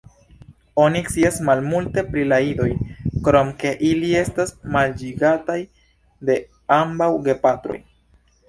Oni scias malmulte pri la idoj, krom ke ili estas manĝigataj de ambaŭ gepatroj.